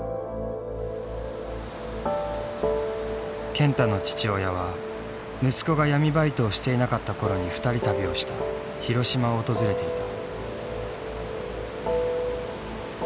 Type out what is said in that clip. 健太の父親は息子が闇バイトをしていなかった頃に２人旅をした広島を訪れていた。